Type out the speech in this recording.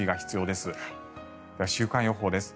では、週間予報です。